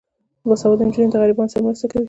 باسواده نجونې د غریبانو سره مرسته کوي.